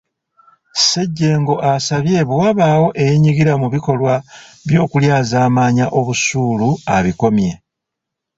Ssejjengo asabye bwe wabaawo eyeenyigira mu bikolwa by'okulyazaamaanya obusuulu abikomye.